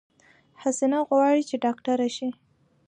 حسينه غواړی چې ډاکټره شی